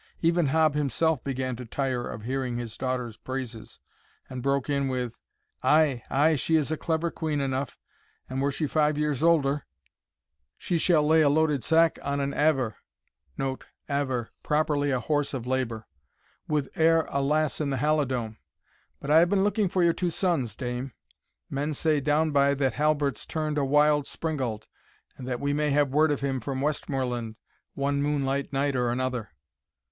Even Hob himself began to tire of hearing his daughter's praises, and broke in with, "Ay, ay, she is a clever quean enough; and, were she five years older, she shall lay a loaded sack on an aver [Note: Aver properly a horse of labour.] with e'er a lass in the Halidome. But I have been looking for your two sons, dame. Men say downby that Halbert's turned a wild springald, and that we may have word of him from Westmoreland one moonlight night or another."